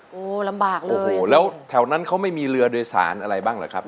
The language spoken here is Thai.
โอ้โหลำบากเลยโอ้โหแล้วแถวนั้นเขาไม่มีเรือโดยสารอะไรบ้างเหรอครับ